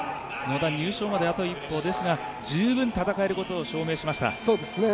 野田、入賞まであと１歩ですが、十分、戦えることを証明しました。